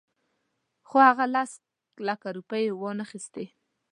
خو هغه لس لکه روپۍ یې وانخیستلې.